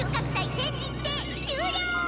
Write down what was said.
全日程終了！」。